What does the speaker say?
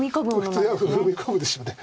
普通は踏み込むでしょうね。